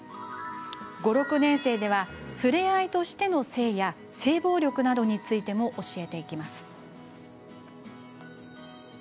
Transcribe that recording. ５・６年生では触れ合いとしての性や性暴力などについても教えていきます。